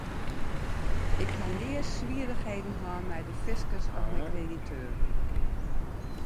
Ik ha nea swierrichheden hân mei de fiskus of mei krediteuren.